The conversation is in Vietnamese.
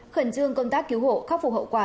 khẩn trương công tác cứu hộ khắc phục hậu quả